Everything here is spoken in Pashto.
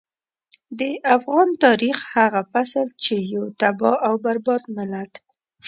د افغان تاريخ هغه فصل چې يو تباه او برباد ملت.